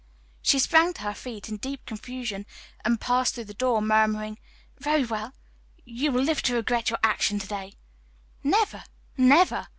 She sprang to her feet in deep confusion, and passed through the door, murmuring: "Very well; you will live to regret your action today." "Never, never!"